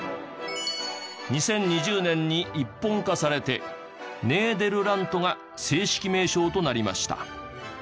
２０２０年に一本化されてネーデルラントが正式名称となりました。